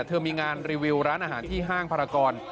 เธอมีงานรีวิวร้านอาหารที่ห้างภารกร